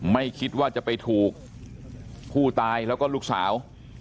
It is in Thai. ไม่คิดว่าจะไปถูกผู้ตายแล้วก็ลูกสาว